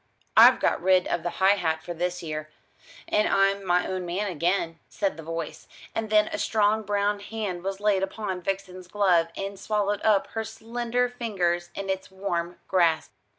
"I've got rid of the high hat for this year, and I'm my own man again," said the voice; and then a strong brown hand was laid upon Vixen's glove, and swallowed up her slender fingers in its warm grasp.